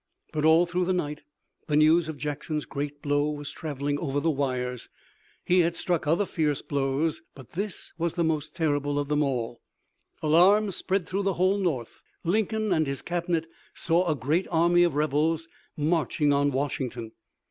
But all through the night the news of Jackson's great blow was traveling over the wires. He had struck other fierce blows, but this was the most terrible of them all. Alarm spread through the whole North. Lincoln and his Cabinet saw a great army of rebels marching on Washington.